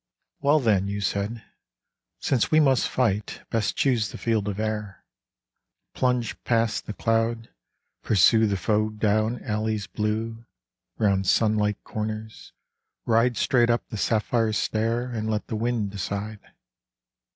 " Well, then," you said, " since we must fight Best choose the field of air. Plunge past the cloud, pursue The foe down alleys blue Round sunlight corners, ride Straight up the sapphire stair And let the wind decide